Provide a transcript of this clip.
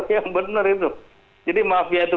yang benar itu jadi mafia itu